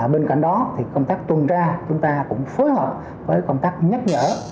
bên cạnh đó thì công tác tuần tra chúng ta cũng phối hợp với công tác nhắc nhở